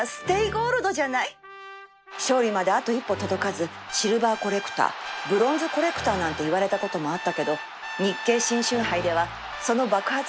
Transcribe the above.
勝利まであと一歩届かずシルバーコレクターブロンズコレクターなんて言われたこともあったけど日経新春杯ではその爆発力で鮮やかな勝ちっぷり